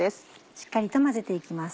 しっかりと混ぜて行きます。